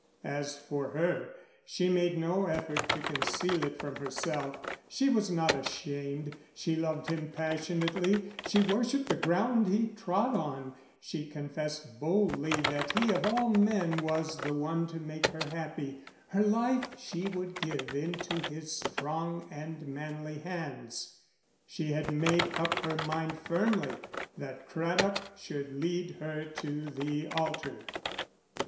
As for her, she made no effort to conceal it from herself; she was not ashamed, she loved him passionately, she worshipped the ground he trod on; she confessed boldly that he of all men was the one to make her happy; her life she would give into his strong and manly hands. She had made up her mind firmly that Craddock should lead her to the altar.